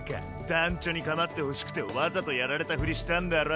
団ちょに構ってほしくてわざとやられたふりしたんだろ。